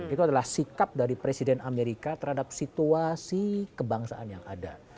itu adalah sikap dari presiden amerika terhadap situasi kebangsaan yang ada